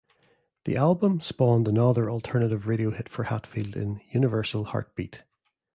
The album spawned another alternative radio hit for Hatfield in "Universal Heartbeat".